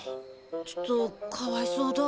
ちょっとかわいそうだ。